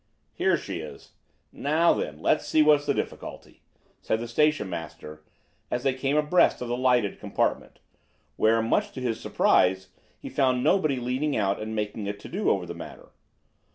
"Here she is. Now, then, let's see what's the difficulty," said the station master, as they came abreast of the lightless compartment, where, much to his surprise, he found nobody leaning out and making a "to do" over the matter.